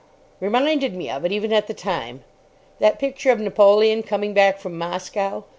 Reminded me of it even at the time: that picture of Napoleon coming back from Moscow.